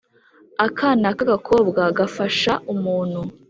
akana k’agakobwa gafasha umuntu